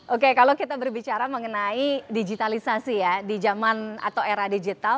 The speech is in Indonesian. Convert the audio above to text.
oke kalau kita berbicara mengenai digitalisasi ya di zaman atau era digital